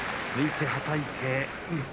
突いて、はたいて。